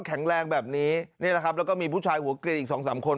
แข็งแรงแบบนี้นี่แหละครับแล้วก็มีผู้ชายหัวเกลียดอีกสองสามคน